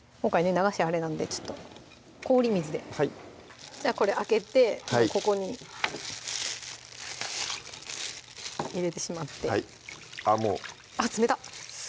流しあれなんでちょっと氷水でじゃあこれ開けてここに入れてしまってはいあっ冷た！